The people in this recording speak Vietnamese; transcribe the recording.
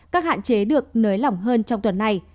các hạn chế được nới lỏng hơn trong tuần này